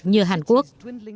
như hàn quốc